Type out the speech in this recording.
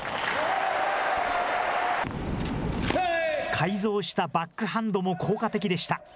改造したバックハンドも効果的でした。